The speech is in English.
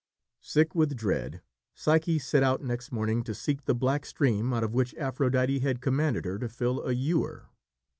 Sick with dread, Psyche set out next morning to seek the black stream out of which Aphrodite had commanded her to fill a ewer.